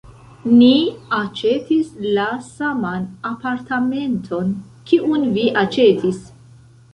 Ni aĉetis la saman apartamenton kiun vi aĉetis.